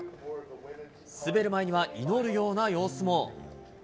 滑る前には祈るような様子も。